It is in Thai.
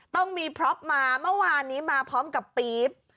ต้องมีพร็อปมาเมื่อวานนี้มาพร้อมกับปี๊บ